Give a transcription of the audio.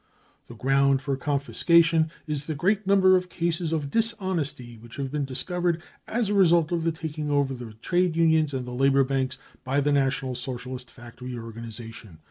The ground for confiscation is the great number of cases of dishonesty which have been discovered as a result of the taking over of the Trade Unions and the Labour Banks by the National Socialist Factory Organisation.